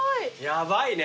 ヤバいね。